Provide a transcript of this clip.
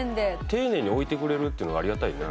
丁寧に置いてくれるっていうのがありがたいなあ。